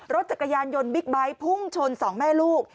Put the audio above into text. รถจักรยานยนต์บิ๊กไบท์พุ่งชนสองแม่ลูก